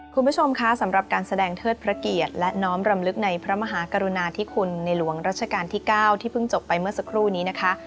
คุณผู้ชมคะสำหรับการแสดงเทิดพระเกียรติและน้อมรำลึกในพระมหากรุณาธิคุณในหลวงรัชกาลที่๙ที่เพิ่งจบไปเมื่อสักครู่นี้นะคะ